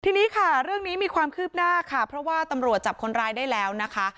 ทีนี้ค่ะเรื่องนี้มีความคืบหน้าค่ะเพราะว่าตำรวจจับคนร้ายได้แล้วนะคะ